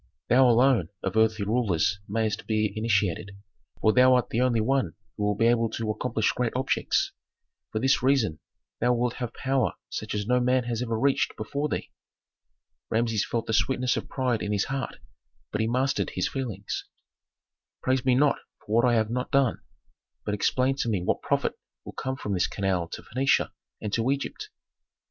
Thou, alone, of earthly rulers mayst be initiated, for thou art the only one who will be able to accomplish great objects. For this reason thou wilt have power such as no man has ever reached before thee." Rameses felt the sweetness of pride in his heart, but he mastered his feelings. "Praise me not for what I have not done; but explain to me what profit will come from this canal to Phœnicia and to Egypt?"